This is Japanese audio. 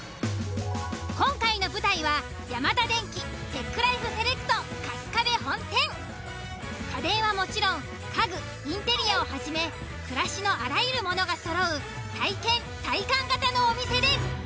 今回の舞台は家電はもちろん家具インテリアをはじめ暮らしのあらゆるものがそろう体験・体感型のお店です。